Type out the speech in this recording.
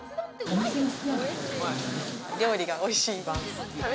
料理がおいしい。